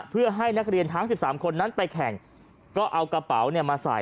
เพื่อให้นักเรียนทั้ง๑๓คนนั้นไปแข่งก็เอากระเป๋าเนี่ยมาใส่